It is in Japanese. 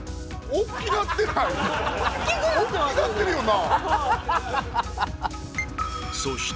おっきなってるよな